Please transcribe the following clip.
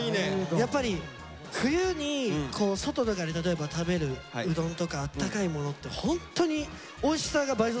やっぱり冬に外とかで例えば食べるうどんとかあったかいものってホントにおいしさが倍増すると思うんですよね。